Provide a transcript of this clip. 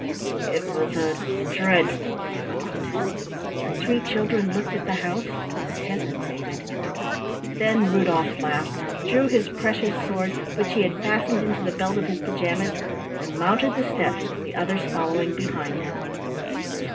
It was a dreadful thought. The three children looked at the house and hesitated. Then Rudolf laughed, drew his precious sword, which he had fastened into the belt of his pajamas, and mounted the steps, the others following behind him.